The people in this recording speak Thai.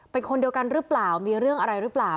เป็นคนเดียวกันหรือเปล่ามีเรื่องอะไรหรือเปล่า